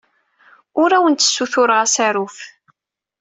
Ur awent-ssutureɣ asaruf.